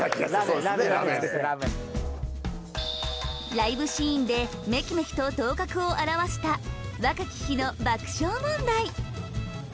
ライブシーンでめきめきと頭角を現した若き日の爆笑問題